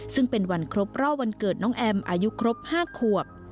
ซึ่งเป็นวันครบรอบวันเกิดน้องแอมอายุครบ๕ขวบ